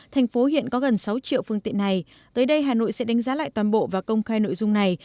thành phố hiện có gần sáu triệu phương tiện này tới đây hà nội sẽ đánh giá lại toàn bộ và công khai nội dung này